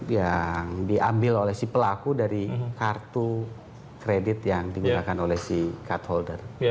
yang diambil oleh si pelaku dari kartu kredit yang digunakan oleh si cut holder